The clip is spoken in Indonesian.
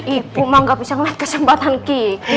ibu mah gak bisa ngeliat kesempatan kiki